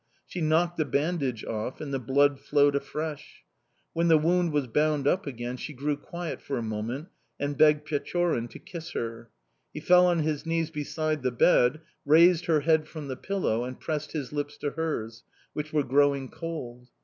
She knocked the bandage off, and the blood flowed afresh. When the wound was bound up again she grew quiet for a moment and begged Pechorin to kiss her. He fell on his knees beside the bed, raised her head from the pillow, and pressed his lips to hers which were growing cold.